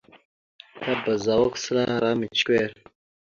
Tabaz awak səla ara micəkœr.